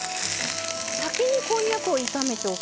先にこんにゃくを炒めておくと。